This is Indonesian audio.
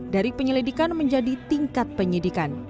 dari penyelidikan menjadi tingkat penyidikan